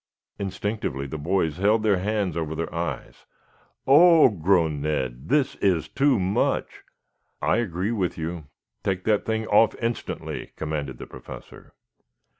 Instinctively the boys held their hands over their eyes. "Oh, oh!" groaned Ned. "This is too much." "I agree with you. Take that thing off instantly!" commanded the Professor.